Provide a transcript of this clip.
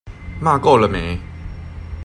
罵夠了沒？